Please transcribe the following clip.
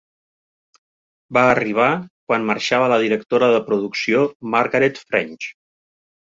Va arribar quan marxava la directora de producció, Margaret French.